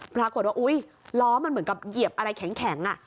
ปรากฏว่าอุ๊ยล้อมันเหมือนกับเหยียบอะไรแข็ง